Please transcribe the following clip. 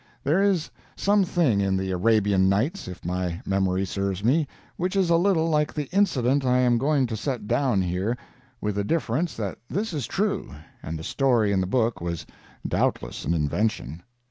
There is something in the "Arabian Nights," if my memory serves me, which is a little like the incident I am going to set down here, with the difference that this is true and the story in the book was doubtless an invention.